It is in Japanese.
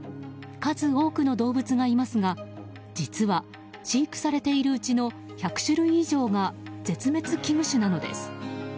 数多くの動物がいますが実は、飼育されているうちの１００種類以上が絶滅危惧種なのです。